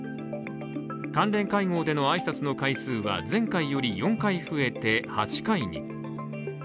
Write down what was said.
関連会合での挨拶の回数は前回より４回増えて８回に。